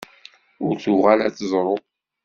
Ur tuɣal ad teḍṛu!